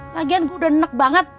pagian gue udah nek banget